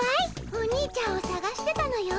おにいちゃんをさがしてたのよ。